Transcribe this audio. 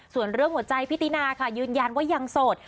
ส่วนเรื่องหัวใจพี่ตินาค่ะยืนยันว่ายังโสด